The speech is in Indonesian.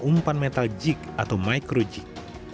umpan metal jig atau micro jig